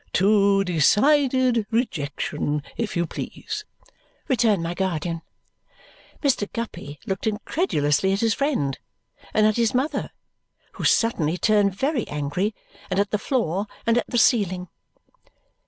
"To decided rejection, if you please," returned my guardian. Mr. Guppy looked incredulously at his friend, and at his mother, who suddenly turned very angry, and at the floor, and at the ceiling.